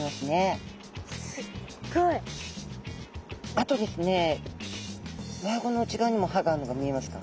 あとですねうわあごの内側にも歯があるのが見えますか？